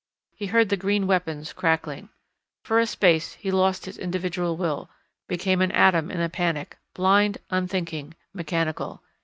He heard the green weapons crackling. For a space he lost his individual will, became an atom in a panic, blind, unthinking, mechanical.